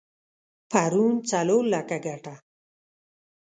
پرون څلور لکه ګټه؛